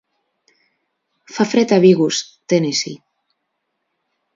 fa fred a Vigus, Tennessee